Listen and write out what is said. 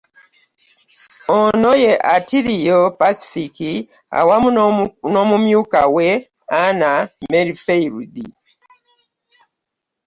Ono ye Atillio Pacific awamu n'Omumyuka we, Anna Merrifield.